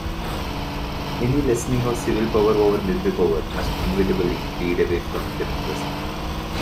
Any lessening of civil power over military power must inevitably lead away from democracy.